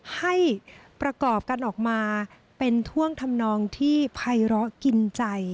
ให้ประกอบกันออกมาเป็นท่วงทำนองที่ภัยร้อกินใจ